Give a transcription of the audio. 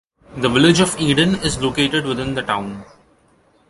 The Village of Eden is located within the town.